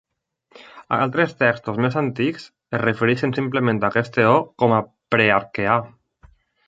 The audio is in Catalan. Altres textos més antics es refereixen simplement a aquest eó com a Prearqueà.